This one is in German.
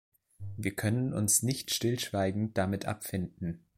Wir können uns nicht stillschweigend damit abfinden.